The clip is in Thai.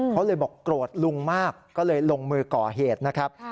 เขาเลยบอกโกรธลุงมากก็เลยลงมือก่อเหตุนะครับ